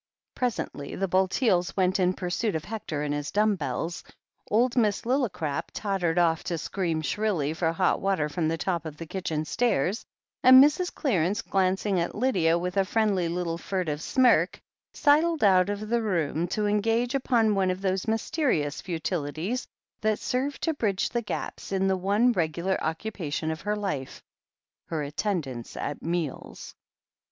Presently the Bulteels went in pursuit of Hector and his dumb bells; old Miss Lillicrap tottered off to scream shrilly for hot water from the top of the kitchen stairs, and Mrs. Clarence, glancing at Lydia with a friendly little furtive smirk, sidled out of the room to 152 THE HEEL OF ACHILLES engage upon one of those mysterious futilities that served to bridge the gaps in the one regular occupation of her life : her attendance at meals.